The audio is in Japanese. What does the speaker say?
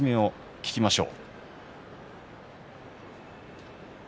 聞きましょう。